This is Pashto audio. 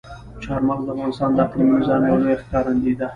چار مغز د افغانستان د اقلیمي نظام یوه لویه ښکارندوی ده.